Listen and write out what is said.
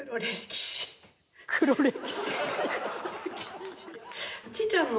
黒歴史。